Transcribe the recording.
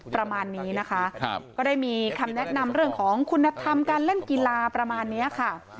ประมาณนี้นะคะก็ได้มีคำแนะนำเรื่องของคุณธรรมการเล่นกีฬาประมาณนี้ค่ะ